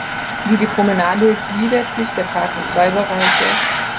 Wie die Promenade gliedert sich der Park in zwei Bereiche.